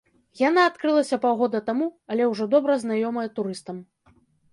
Яна адкрылася паўгода таму, але ўжо добра знаёмая турыстам.